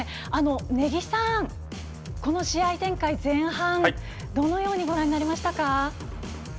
根木さん、この試合展開、前半どのようにご覧になりましたか？